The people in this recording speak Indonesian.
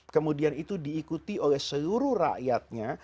kemudian itu diikuti oleh seluruh rakyatnya